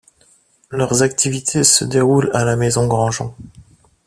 Leurs activités se déroulent à la Maison Granjon.